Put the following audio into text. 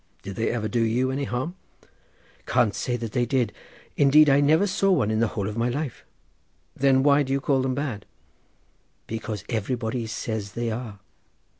"Did they ever do you any harm?" "Can't say they did. Indeed I never saw one in the whole of my life." "Then why do you call them bad?" "Because everybody says they are."